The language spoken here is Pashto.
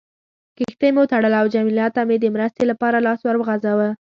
کښتۍ مې وتړله او جميله ته مې د مرستې لپاره لاس ور وغځاوه.